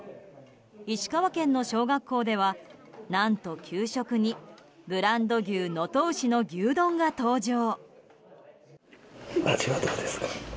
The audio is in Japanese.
石川県の小学校では何と、給食にブランド牛、能登牛の牛丼が登場。